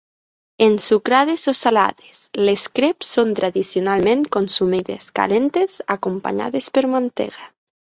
Ensucrades o salades, les creps són tradicionalment consumides calentes acompanyades per mantega.